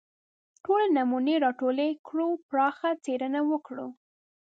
ټولې نمونې راټولې کړو پراخه څېړنه وکړو